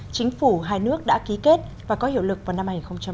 chính phủ hai nước đã ký kết và có hiệu lực vào năm hai nghìn sáu